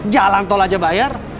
jalan tol aja bayar